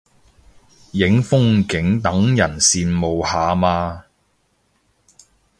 影風景等人羨慕下嘛